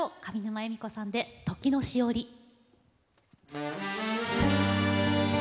上沼恵美子さんで「時のしおり」。